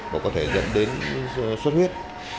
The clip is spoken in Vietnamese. và có thể dẫn đến xuất huyết